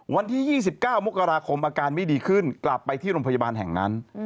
วันที่๒๙มกราคมอาการไม่ดีขึ้นกลับไปที่โรงพยาบาลแห่งนั้น